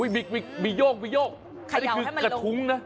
มีโยกอันนี้คือกระทุ้งนะ